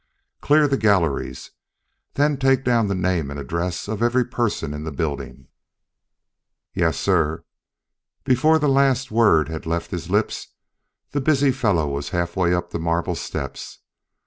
"Clear the galleries. Then take down the name and address of every person in the building." "Yes, sir." Before the last word had left his lips, the busy fellow was halfway up the marble steps.